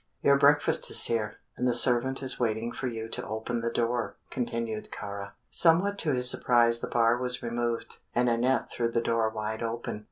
"Your breakfast is here, and the servant is waiting for you to open the door," continued Kāra. Somewhat to his surprise the bar was removed, and Aneth threw the door wide open.